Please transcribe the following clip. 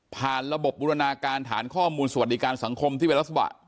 ผ่านระบบบุรณาการฐานข้อมูลสวัสดิการสังคมที่เวลาสมบัติ